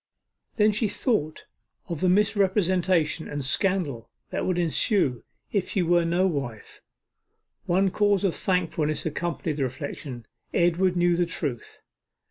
Then she thought of the misrepresentation and scandal that would ensue if she were no wife. One cause for thankfulness accompanied the reflection; Edward knew the truth.